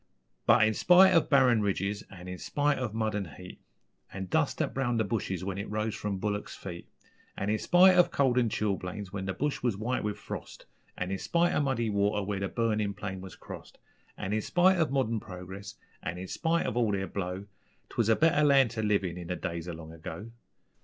But in spite ov barren ridges an' in spite ov mud an' heat, An' dust that browned the bushes when it rose from bullicks' feet, An' in spite ov cold and chilblains when the bush was white with frost, An' in spite of muddy water where the burnin' plain was crossed, An' in spite of modern progress, and in spite of all their blow, 'Twas a better land to live in, in the days o' long ago.